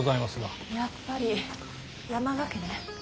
やっぱり山賀家ね。